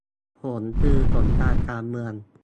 ผลคือสงครามกลางเมือง